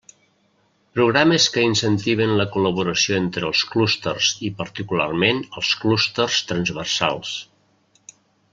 Programes que incentiven la col·laboració entre els clústers i particularment els clústers transversals.